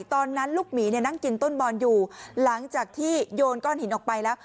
ตอนนั้นลูกหมีเนี่ยนั่งกินต้นบอนอยู่หลังจากที่โยนก้อนหินออกไปแล้ว